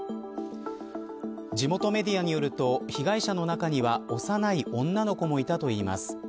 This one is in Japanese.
地元メディアによると被害者の中には幼い女の子もいたといいます。